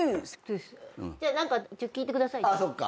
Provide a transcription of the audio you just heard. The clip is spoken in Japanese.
じゃあ何か一応聞いてください。